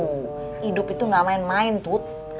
hidup itu gak main main tut